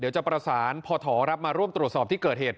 เดี๋ยวจะประสานพมาร่วมตรวจสอบที่เกิดเหตุ